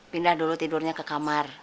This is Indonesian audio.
pindah dulu tidurnya ke kamar